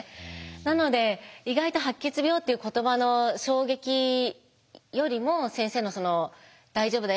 なので意外と白血病っていう言葉の衝撃よりも先生のその「大丈夫だよ。